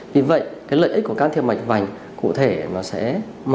vì vậy cái lợi ích của can thiệp mạch vành cụ thể nó sẽ mở